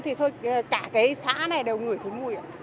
thì thôi cả cái xã này đều ngửi thú mùi